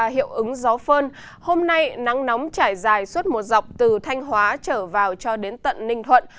hôm nay nắng nóng trải dài suốt một dọc từ thanh hóa trở vào cho đến tận ninh thuận